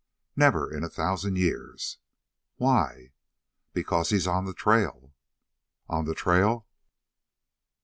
"Never in a thousand years." "Why?" "Because he's on the trail " "On the trail?"